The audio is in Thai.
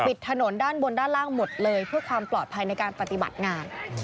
ถนนด้านบนด้านล่างหมดเลยเพื่อความปลอดภัยในการปฏิบัติงาน